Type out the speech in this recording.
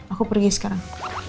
aku pergi sekarang